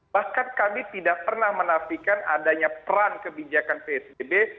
bahkan kami tidak pernah menafikan adanya peran kebijakan psbb